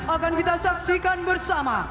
akan kita saksikan bersama